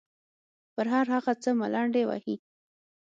پر هر هغه څه ملنډې وهي.